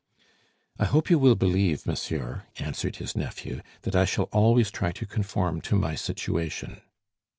"I hope you will believe, monsieur," answered his nephew, "that I shall always try to conform to my situation."